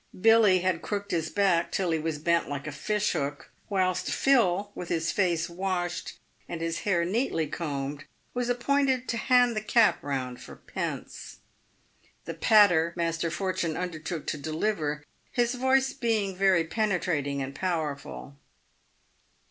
"Billy had crooked his back, till he was bent like a fish hook, whilst Phil, with his face washed, and his hair neatly combed, was appointed to hand the cap round for pence. The "patter" Master Fortune undertook to deliver, his voice being very penetrating and powerful.